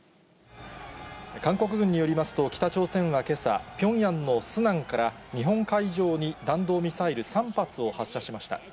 韓国軍によりますと、北朝鮮はけさ、ピョンヤンのスナンから、日本海上に弾道ミサイル３発を発射しました。